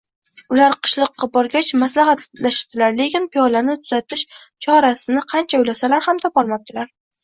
Ular qishloqqa borgach, maslahatlashibdilar, lekin piyolani tuzatish chorasini qancha o‘ylasalar ham topolmabdilar